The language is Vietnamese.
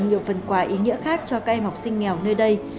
nhiều phần quà ý nghĩa khác cho các em học sinh nghèo nơi đây